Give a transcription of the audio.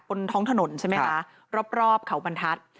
บนท้องถนนใช่ไหมคะรอบเขาบรรทัศน์